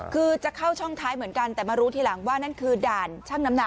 คือจะเข้าช่องท้ายเหมือนกันแต่มารู้ทีหลังว่านั่นคือด่านช่างน้ำหนัก